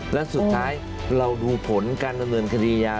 และสุดท้ายเราดูผลการดำเนินคดียา